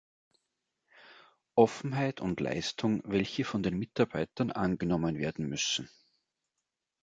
Offenheit und Leistung, welche von den Mitarbeitern angenommen werden müssen.